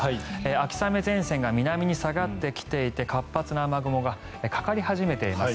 秋雨前線が南に下がってきていて活発な雨雲がかかり始めています。